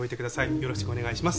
よろしくお願いします。